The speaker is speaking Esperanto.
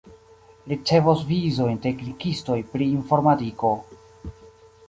Ricevos vizojn teknikistoj pri informadiko.